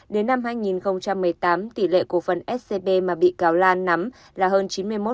đến năm hai nghìn một mươi tám tỷ lệ cổ phần scb mà bị cáo lan nắm là hơn chín mươi một